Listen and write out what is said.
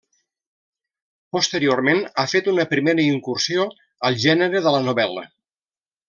Posteriorment ha fet una primera incursió al gènere de la novel·la.